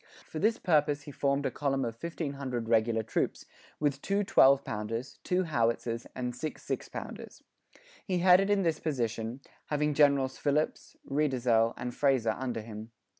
For this purpose he formed a column of 1,500 regular troops, with two twelve pounders, two howitzers and six six pounders. He headed this in person, having Generals Phillips, Reidesel, and Fraser under him.